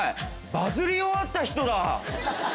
バズり終わった人だ。